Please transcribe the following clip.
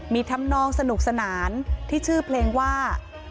มีธรรมนองสนุกสนานที่ชื่อเพลงว่า